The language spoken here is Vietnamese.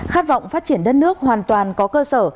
khát vọng phát triển đất nước hoàn toàn có cơ sở